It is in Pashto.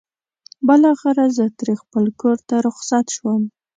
بالاخره زه ترې خپل کور ته رخصت شوم.